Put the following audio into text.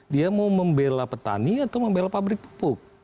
dia mau membela petani atau membela pabrik pupuk